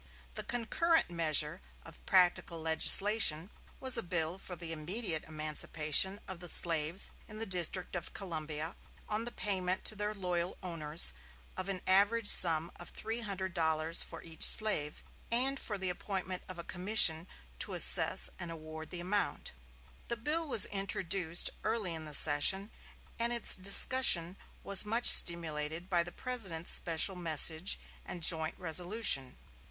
The concurrent measure of practical legislation was a bill for the immediate emancipation of the slaves in the District of Columbia, on the payment to their loyal owners of an average sum of three hundred dollars for each slave, and for the appointment of a commission to assess and award the amount. The bill was introduced early in the session, and its discussion was much stimulated by the President's special message and joint resolution.